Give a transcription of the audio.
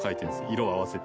色を合わせて。